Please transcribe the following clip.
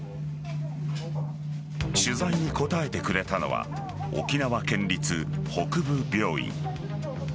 取材に答えてくれたのは沖縄県立北部病院。